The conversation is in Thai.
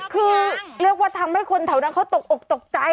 คือเรียกว่าทำให้คนเถานะเขาตกออกตกใจอ่ะ